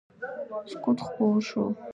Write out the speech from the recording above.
سکوت خپور شو.